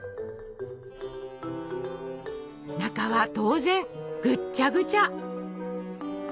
中は当然ぐっちゃぐちゃ！